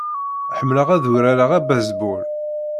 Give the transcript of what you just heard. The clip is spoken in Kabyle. Ḥemmleɣ ad urareɣ abaseball.